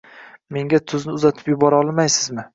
Menga tuzni uzatib yubora olmaysizmi?